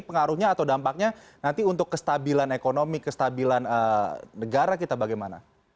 pengaruhnya atau dampaknya nanti untuk kestabilan ekonomi kestabilan negara kita bagaimana